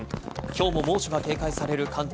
きょうも猛暑が警戒される関東。